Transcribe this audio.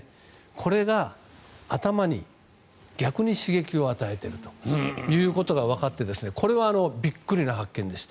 これが頭に逆に刺激を与えているということがわかってこれはびっくりな発見でした。